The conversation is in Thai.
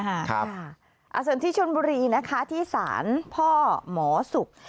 เอาส่วนที่ชนบุรีที่สารพ่อหมอสุบ